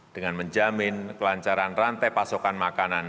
dengan menjamin kelancaran rantai pasokan makanan